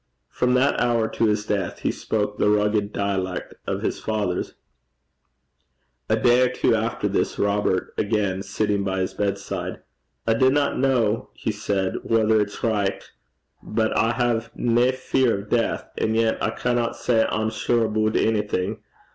From that hour to his death he spoke the rugged dialect of his fathers. A day or two after this, Robert again sitting by his bedside, 'I dinna ken,' he said, 'whether it's richt but I hae nae fear o' deith, an' yet I canna say I'm sure aboot onything.